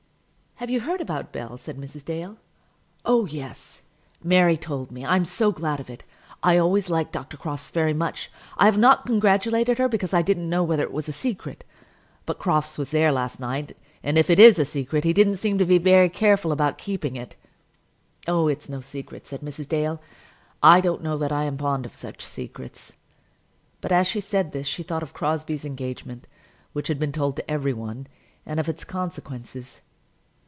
"Have you heard about Bell?" said Mrs. Dale. "Oh, yes; Mary told me. I'm so glad of it. I always liked Dr. Crofts very much. I have not congratulated her, because I didn't know whether it was a secret. But Crofts was there last night, and if it is a secret he didn't seem to be very careful about keeping it." "It is no secret," said Mrs. Dale. "I don't know that I am fond of such secrets." But as she said this, she thought of Crosbie's engagement, which had been told to every one, and of its consequences.